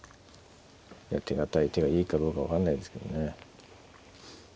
手堅い手がいいかどうか分かんないですけどね。